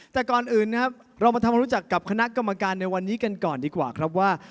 แต่ก่อนอื่นนะครับเรามาทำความรู้จักกับคณะกรรมการในวันนี้กันก่อนดีกว่าครับว่า